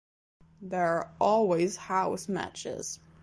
There are always house matches.